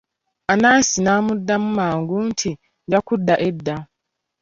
Anansi n'amuddamu mangu nti, nja kudda edda.